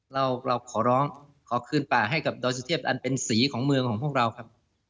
เราขอร้องขอคืนป่าให้กับดอยสุเทพอันเป็นสีของเมืองของพวกเราครับ